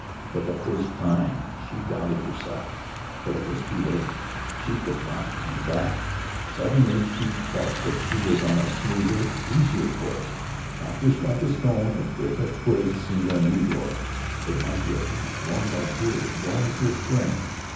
For the first time she doubted herself, but it was too late. She could not turn back. Suddenly she felt that she was on a smoother, easier course. Not to strike a stone or break a twig seemed unusual. It might be a path worn by deer going to a spring.